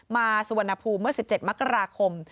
สุวรรณภูมิเมื่อ๑๗มกราคม